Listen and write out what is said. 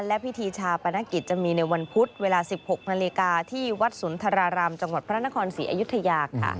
และพิธีชาปนกิจจะมีในวันพุธเวลา๑๖นาฬิกาที่วัดสุนทรารามจังหวัดพระนครศรีอยุธยาค่ะ